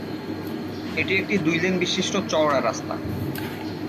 এটি একটি দুই লেন বিশিষ্ট চওড়া রাস্তা।